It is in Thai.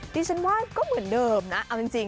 ดิฉันว่าก็เหมือนเดิมนะเอาจริง